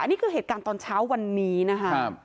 นี่คือเหตุการณ์ตอนเช้าวันนี้นะคะ